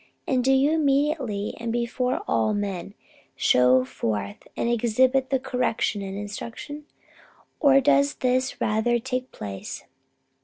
And do you immediately, and before all men, show forth and exhibit the correction and the instruction? Or, does this rather take place?